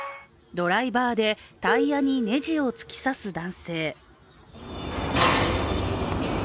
ドライバーでタイヤにネジを突き刺す男性。